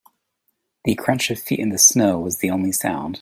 The crunch of feet in the snow was the only sound.